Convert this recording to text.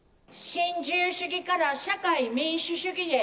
新自由主義から社会民主主義へ。